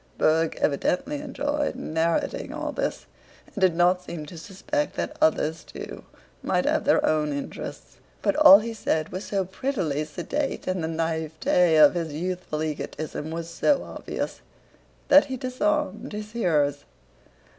Berg evidently enjoyed narrating all this, and did not seem to suspect that others, too, might have their own interests. But all he said was so prettily sedate, and the naïveté of his youthful egotism was so obvious, that he disarmed his hearers.